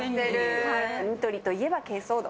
ニトリといえば珪藻土。